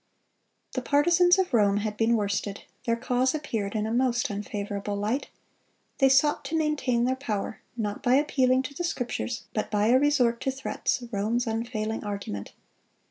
The partisans of Rome had been worsted; their cause appeared in a most unfavorable light. They sought to maintain their power, not by appealing to the Scriptures, but by a resort to threats, Rome's unfailing argument.